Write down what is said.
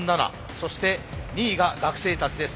そして２位が学生たちです。